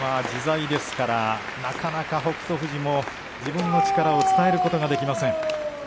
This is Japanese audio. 自在ですからなかなか北勝富士も自分の力を伝えることができません。